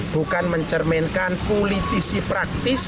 bukan mencerminkan politisi praktis